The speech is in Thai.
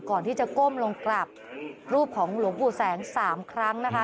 ก่อนที่จะก้มลงกลับรูปของหลวงปู่แสง๓ครั้งนะคะ